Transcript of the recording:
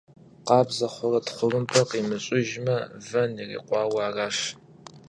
Къабзэ хъурэ тхъурымбэ къимыщӀыжмэ, вэн ирикъуауэ аращ.